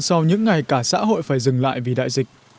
sau những ngày cả xã hội phải dừng lại vì đại dịch